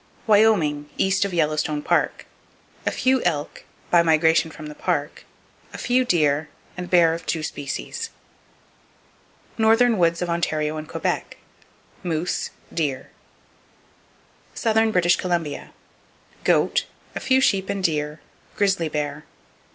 Wyoming, East Of Yellowstone Park : A few elk, by migration from the Park; a few deer, and bear of two species. Northern Woods Of Ontario And Quebec : Moose; deer. Southern British Columbia : Goat, a few sheep and deer; grizzly bear.